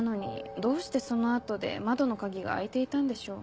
どうしてその後で窓の鍵が開いていたんでしょう。